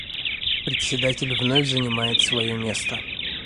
Председатель вновь занимает свое место.